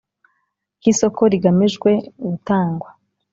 k isoko rigamijwe gutangwa